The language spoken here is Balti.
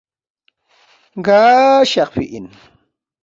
”گار شخفی اِن؟“